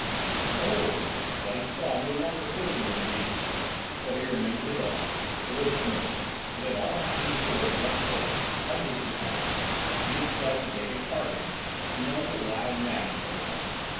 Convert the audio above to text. Moreover, what he saw no longer filled him with amazement. For he remembered it all. It was familiar. It had all happened before just so, hundreds of times, and he himself had taken part in it and known the wild madness of it all.